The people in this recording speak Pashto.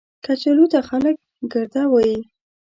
کچالو ته خلک ګرده وايي